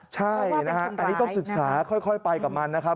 ใช่นะฮะอันนี้ต้องศึกษาค่อยไปกับมันนะครับ